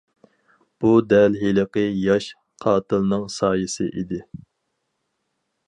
بۇ دەل ھېلىقى ياش قاتىلنىڭ سايىسى ئىدى.